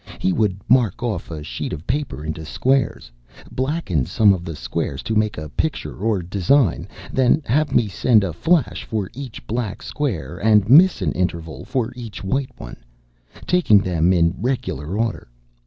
He would mark off a sheet of paper into squares, blacken some of the squares to make a picture or design, then have me send a flash for each black square, and miss an interval for each white one, taking them in regular order.